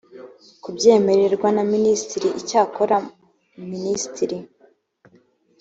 kubyemererwa na minisitiri icyakora minisitiri